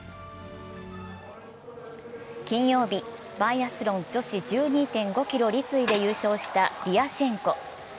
金曜日、バイアスロン女子１２．５ｋｍ立位で優勝したリアシェンコ。